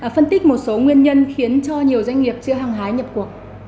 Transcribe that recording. phân tích một số nguyên nhân khiến cho nhiều doanh nghiệp chữa hàng hái nhập cuộc